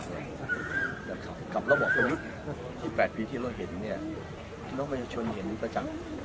กับระบอบที่๘ปีที่เราเห็นเนี่ยน้องมายชนเห็นนี่ก็จัก